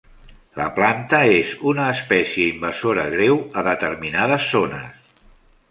La planta és una espècie invasora greu a determinades zones.